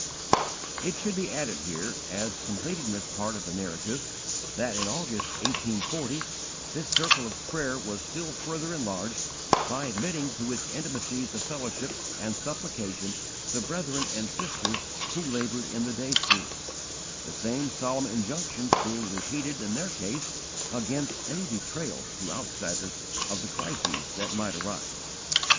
It should be added here, as completing this part of the Narrative, that, in August, 1840, this circle of prayer was still further enlarged by admitting to its intimacies of fellowship and supplication the brethren and sisters who laboured in the day schools, the same solemn injunctions being repeated in their case against any betrayal to outsiders of the crises that might arise.